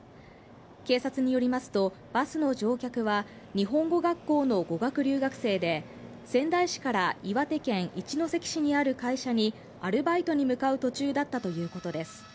警察によりますと、バスの乗客は日本語学校の語学留学生で仙台市から岩手県一関市にある会社にアルバイトに向かう途中だったということです。